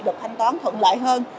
được thanh toán thuận lợi hơn